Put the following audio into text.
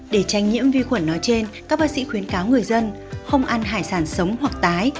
để tranh nhiễm vi khuẩn nói trên các bác sĩ khuyến cáo người dân không ăn hải sản sống hoặc tái